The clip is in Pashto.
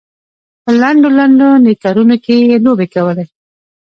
په لنډو لنډو نیکرونو کې یې لوبې کولې.